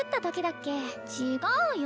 違うよ